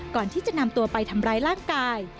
ก่อนที่จะนำตัวไปทำร้ายร่างกาย